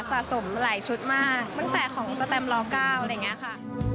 สะสมหลายชุดมากตั้งแต่ของสแตมล๙อะไรอย่างนี้ค่ะ